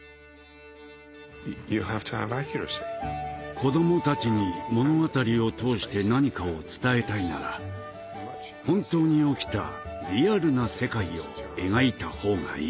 子供たちに物語を通して何かを伝えたいなら本当に起きたリアルな世界を描いたほうがいい。